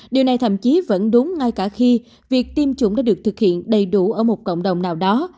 điều này thậm chí vẫn đúng ngay cả khi việc tiêm chủng đã được thực hiện đầy đủ ở một cộng đồng nào đó